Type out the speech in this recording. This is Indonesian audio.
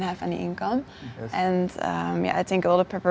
karena kita tidak memiliki pendapatan